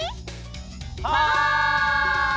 はい！